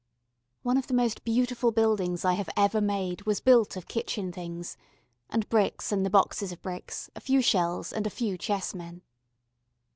One of the most beautiful buildings I have ever made was built of kitchen things, and bricks and the boxes of bricks, a few shells, and a few chessmen.